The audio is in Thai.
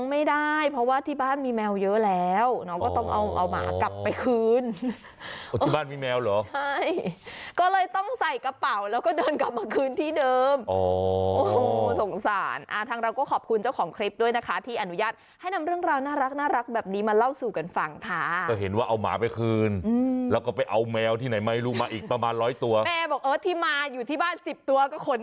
กระเป๋าแล้วก็เดินกลับมาคืนที่เดิมโอ้โหสงสารอ่า